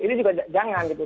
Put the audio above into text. ini juga jangan gitu